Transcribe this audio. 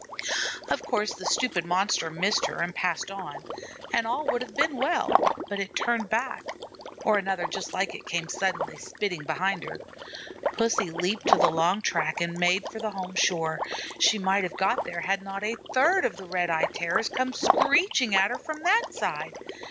Of course the stupid Monster missed her and passed on, and all would have been well, but it turned back, or another just like it came suddenly spitting behind her. Pussy leaped to the long track and made for the home shore. She might have got there had not a third of the Red eyed Terrors come screeching at her from that side.